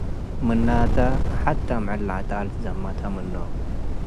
ምናተ፡ ሐቴ ምዕል ለዐጣል ትዘመተ ምኖም።